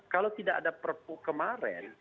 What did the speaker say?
kalau tidak ada perpu kemarin